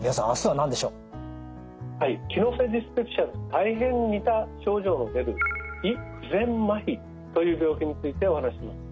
機能性ディスペプシアと大変似た症状の出る「胃不全まひ」という病気についてお話しします。